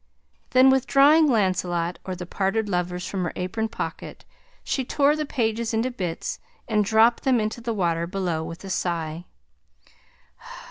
Then withdrawing Lancelot or the Parted Lovers from her apron pocket, she tore the pages into bits and dropped them into the water below with a sigh.